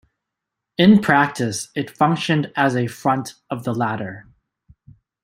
In practice it functioned as a front of the latter.